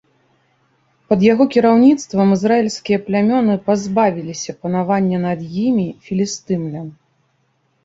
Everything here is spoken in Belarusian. Пад яго кіраўніцтвам ізраільскія плямёны пазбавіліся панавання над імі філістымлян.